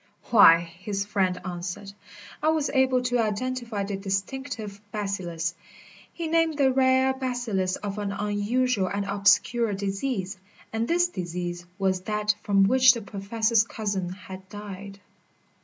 "Why," his friend answered, "I was able to identify the distinctive bacillus " He named the rare bacillus of an unusual and obscure disease. And this disease was that from which the Professor's cousin had died.